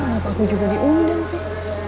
kenapa aku juga diundang sih